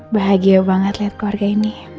bahagia banget lihat keluarga ini